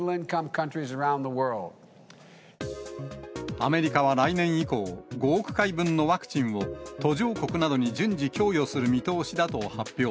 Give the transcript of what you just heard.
アメリカは来年以降、５億回分のワクチンを、途上国などに順次供与する見通しだと発表。